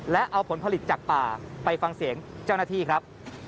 และเอาผลผลิตจากป่าไปฟังเสียงเจ้าหน้าที่ครับ